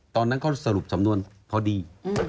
ตอนนั้นเขาสรุปสำนวนพอดี